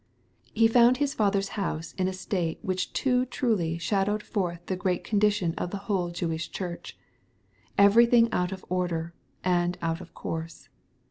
He found His Father's house in a state which too truly shadowed forth the general con dition of the whole Jewish church — everything out of order, and out of course.